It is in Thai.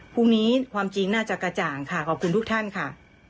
ความจริงน่าจะกระจ่างค่ะขอบคุณทุกท่านค่ะ